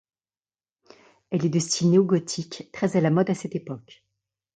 Elle est de style néogothique très à la mode à cette époque.